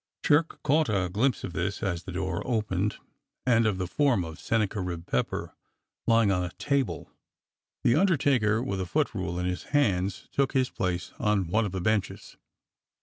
Jerk caught a glimpse of this as the door opened, and of the form of Sennacherib Pepper lying on a table. The undertaker, with a footrule in his hands, took his place on one of the benches.